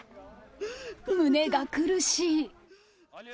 胸が苦しい。